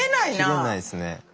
切れないっすね。